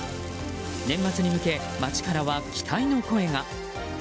年末に向け、街からは期待の声が。